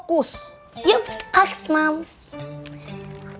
keutuhan dari depan